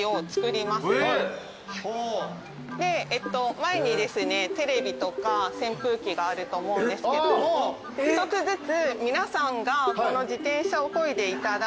前にですねテレビとか扇風機があると思うんですけども１つずつ。